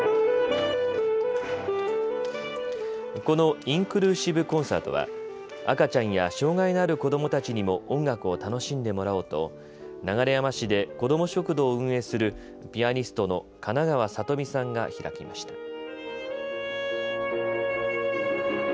このインクルーシブコンサートは赤ちゃんや障害のある子どもたちにも音楽を楽しんでもらおうと流山市で子ども食堂を運営するピアニストの金川聡美さんが開きました。